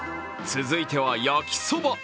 続いては焼きそば。